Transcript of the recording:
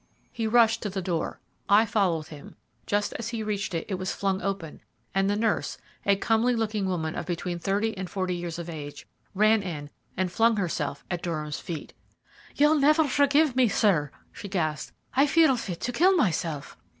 He rushed to the door. I followed him. Just as he reached it, it was flung open, and the nurse, a comely looking woman, of between thirty and forty years of age, ran in and flung herself at Durham's feet. "You'll never forgive me, sir," she gasped. "I feel fit to kill myself."